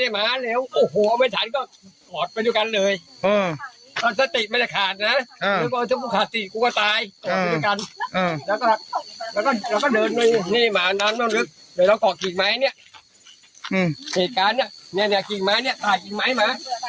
มันเหนื่อยอีกไหม